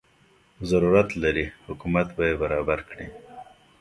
ضرورت لري حکومت به یې برابر کړي.